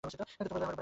আমার উপরে ভার দাও।